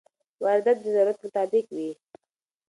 واردات د ضرورت مطابق وي.